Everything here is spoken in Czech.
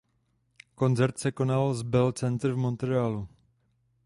Koncert se konal z v Bell Centre v Montrealu.